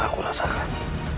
telah aku rasakan